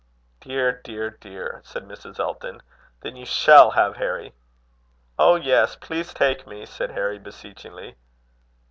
"Dear! dear! dear!" said Mrs. Elton. "Then you shall have Harry." "Oh! yes; please take me," said Harry, beseechingly.